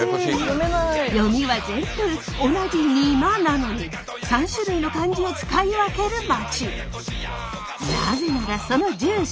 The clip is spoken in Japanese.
読みは全部同じ「にま」なのに３種類の漢字を使い分ける町。